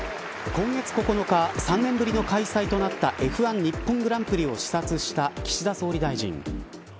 今月９日３年ぶりの開催となったＦ１日本グランプリを視察した岸田総理大臣。